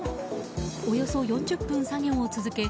およそ４０分作業を続け